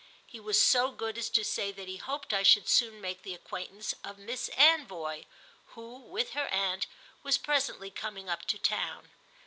He was so good as to say that he hoped I should soon make the acquaintance of Miss Anvoy, who, with her aunt, was presently coming up to town.